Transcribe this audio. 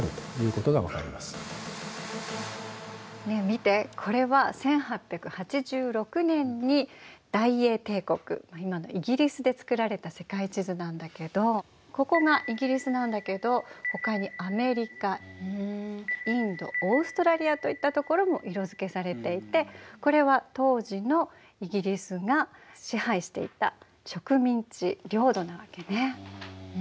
ねえ見てこれは１８８６年に大英帝国今のイギリスで作られた世界地図なんだけどここがイギリスなんだけどほかにアメリカインドオーストラリアといったところも色づけされていてこれは当時のイギリスが支配していた植民地領土なわけね。